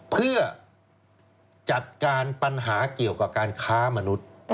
เพื่อจัดการปัญหาเกี่ยวกับการค้ามนุษย์